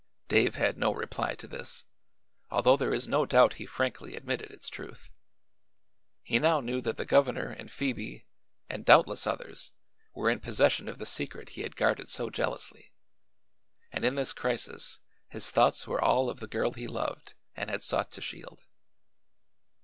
Dave had no reply to this, although there is no doubt he frankly admitted its truth. He now knew that the governor and Phoebe, and doubtless others, were in possession of the secret he had guarded so jealously, and in this crisis his thoughts were all of the girl he loved and had sought to shield.